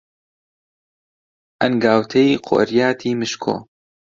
ئەنگاوتەی قۆریاتی مشکۆ،